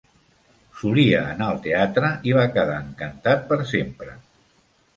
Solia anar al teatre, i va quedar encantat per sempre.